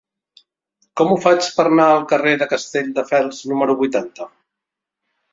Com ho faig per anar al carrer de Castelldefels número vuitanta?